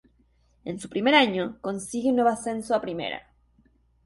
En su primer año, consigue un nuevo ascenso a Primera.